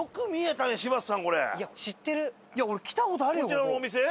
こちらのお店？